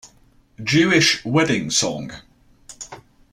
Jewish Wedding Song.